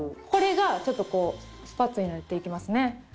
これがちょっとこうバツになっていきますね。